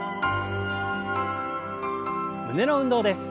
胸の運動です。